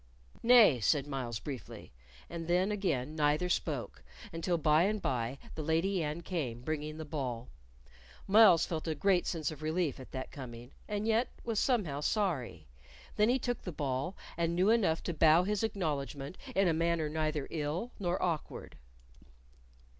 "Nay," said Myles, briefly, and then again neither spoke, until by and by the Lady Anne came, bringing the ball. Myles felt a great sense of relief at that coming, and yet was somehow sorry. Then he took the ball, and knew enough to bow his acknowledgment in a manner neither ill nor awkward.